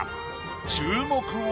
注目は。